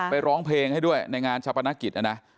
ร้องเพลงให้ด้วยในงานชาปนกิจนะนะ